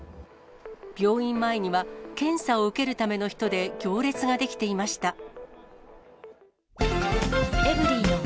病院前には、検査を受けるための人で行列が出来ていました。